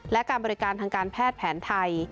และการบริการทางการแพทย์แผนไทย